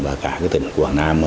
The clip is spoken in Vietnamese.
và cả tỉnh quảng nam